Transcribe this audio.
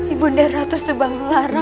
ibu nda ratu sebanglar